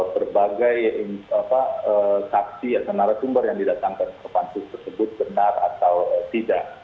berbagai saksi atau narasumber yang didatangkan ke pansus tersebut benar atau tidak